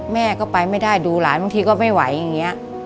แม่ก็ไปไม่ได้ดูหลานบางทีก็ไม่ไหวอย่างนี้